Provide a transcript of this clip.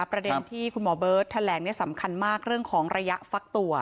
ประเด็นที่คุณหมอเบิร์ดแสร็งเนี่ยสำคัญมากเพราะว่าระยะฟักตัว